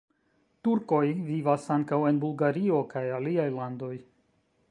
Turkoj vivas ankaŭ en Bulgario kaj aliaj landoj.